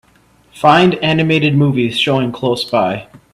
Find animated movies showing close by.